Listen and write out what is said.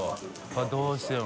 海どうしても。